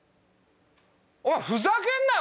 お前ふざけんなよ